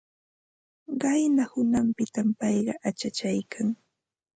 Qayna hunanpitam payqa achachaykan.